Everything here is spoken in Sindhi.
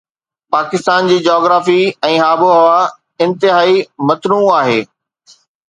پاڪستان جي جاگرافي ۽ آبهوا انتهائي متنوع آهي